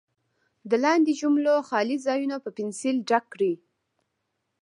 د لاندې جملو خالي ځایونه په پنسل ډک کړئ.